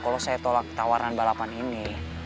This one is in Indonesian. kalau saya tolak tawaran balapan ini